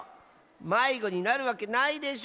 まいごになるわけないでしょ！